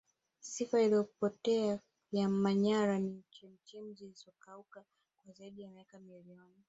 sifa isiyopotea ya manyara ni chemchem zisizokauka kwa zaidi ya miaka milioni